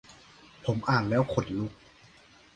ผมอ่านแล้วขนลุก